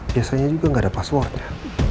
biasanya juga nggak ada passwordnya